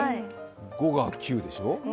５が９でしょう。